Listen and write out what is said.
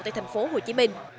tại thành phố hồ chí minh